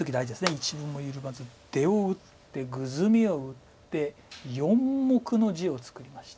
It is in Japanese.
一分も緩まず出を打ってグズミを打って４目の地を作りました。